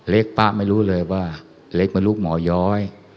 ป้าไม่รู้เลยว่าเล็กมันลูกหมอย้อย